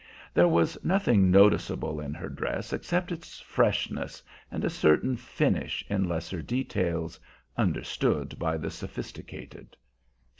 There was nothing noticeable in her dress except its freshness and a certain finish in lesser details, understood by the sophisticated.